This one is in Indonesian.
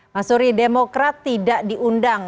mas suri demokrat tidak diundang